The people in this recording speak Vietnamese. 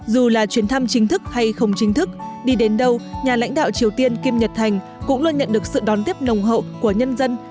dù là chuyến thăm chính thức hay không chính thức đi đến đâu nhà lãnh đạo triều tiên kim nhật thành cũng luôn nhận được sự đón tiếp nồng hậu của nhân dân